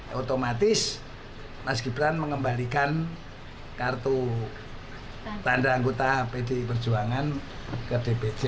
ya otomatis mas gibran mengembalikan kartu tanda anggota pdi perjuangan ke dpc